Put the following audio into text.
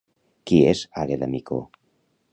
Qui és Àgueda Micó?